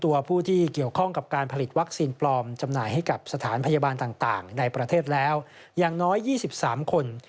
ตัวผู้ที่เกี่ยวข้องกับการผลิตวัคซีนปลอมจำหน่ายให้กับสถานพยาบาลต่างในประเทศแล้วอย่างน้อย๒๓คน